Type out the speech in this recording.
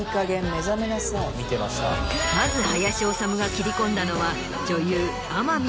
まず林修が切り込んだのは。